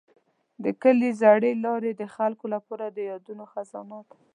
د کلي زړې لارې د خلکو لپاره د یادونو خزانه ده.